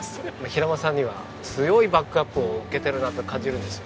平間さんには強いバックアップを受けてるなって感じるんですよね。